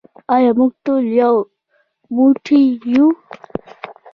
آیا موږ ټول یو موټی یو؟